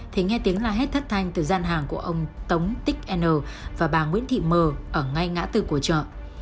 thì nghe tiếng la hét thất thanh từ gian hàng của ông tống tích n và bà nguyễn thị m ở ngay ngã tử của chợ